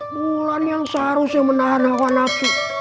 bulan yang seharusnya menahan hawa naku